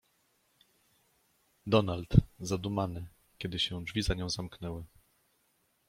"Donald, zadumany, kiedy się drzwi za nią zamknęły."